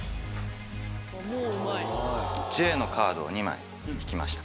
Ｊのカードを２枚引きました。